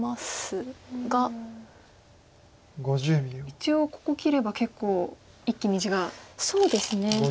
一応ここ切れば結構一気に地が増える。